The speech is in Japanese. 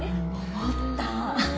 思った！